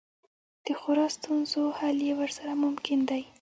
د خورا ستونزو حل یې ورسره ممکن دی.